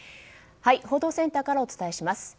報道センターからお伝えします。